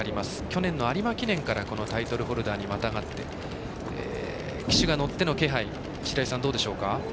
去年の有馬記念からタイトルホルダーにまたがって騎手が乗っての気配、白井さんどうでしょうか？